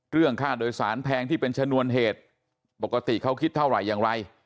เรื่องค่าโดยสารแพงที่เป็นชนวนเหตุปกติเขาคิดเท่าไหร่อย่างไร